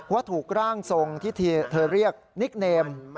ว่าถูกร่างทรงที่เธอเรียกนิกเนม